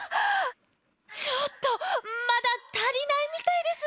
ちょっとまだたりないみたいです。